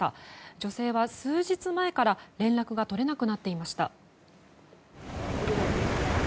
女性は数日前から連絡が取れなくなっていました。